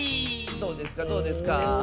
どうですかどうですか？